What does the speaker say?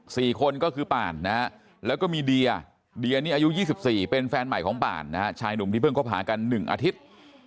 สี่คนก็คือปานนะแล้วก็มีเดียเดียนี้อายุ๒๔เป็นแฟนใหม่ของปานนะชายหนุ่มที่เพิ่งเข้าผ่ากัน๑อาทิตย์